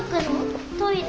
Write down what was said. トイレ。